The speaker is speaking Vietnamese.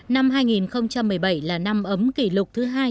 năm hai nghìn một mươi bảy là năm ấm kỷ lục thứ hai